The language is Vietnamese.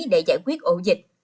để giải quyết ổ dịch